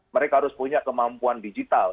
mereka harus punya kemampuan digital